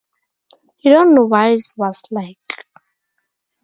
You don't know what it was like.